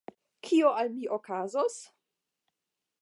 Kio al mi okazos?